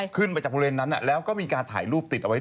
ขึ้นไปจากบริเวณนั้นแล้วก็มีการถ่ายรูปติดเอาไว้